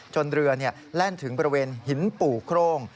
เรือแล่นถึงบริเวณหินปู่โครง